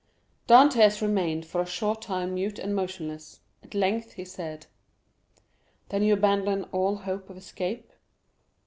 Dantès remained for a short time mute and motionless; at length he said: "Then you abandon all hope of escape?"